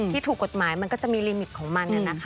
ถูกกฎหมายมันก็จะมีลิมิตของมัน